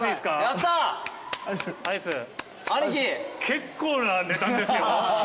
結構な値段ですよ。